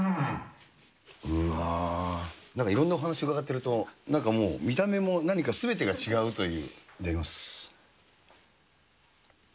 うわぁ、なんかいろんなお話伺ってると、なんかもう、見た目も何かすべてが違うという。